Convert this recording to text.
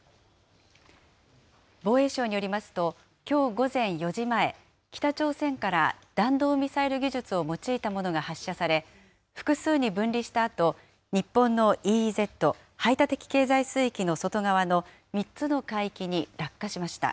防衛省によりますと、きょう午前４時前、北朝鮮から弾道ミサイル技術を用いたものが発射され、複数に分離したあと、日本のＥＥＺ・排他的経済水域の外側の３つの海域に落下しました。